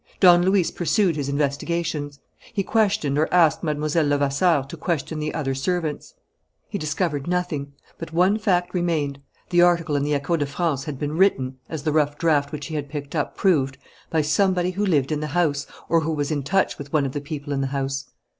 Don Luis pursued his investigations. He questioned or asked Mlle. Levasseur to question the other servants. He discovered nothing; but one fact remained: the article in the Echo de France had been written, as the rough draft which he had picked up proved, by somebody who lived in the house or who was in touch with one of the people in the house.